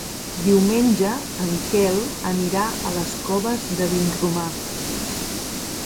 Diumenge en Quel anirà a les Coves de Vinromà.